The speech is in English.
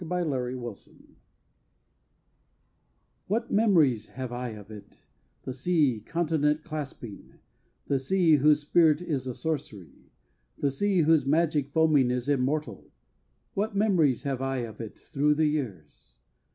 PAGEANTS OF THE SEA What memories have I of it, The sea, continent clasping, The sea whose spirit is a sorcery, The sea whose magic foaming is immortal! What memories have I of it thro the years!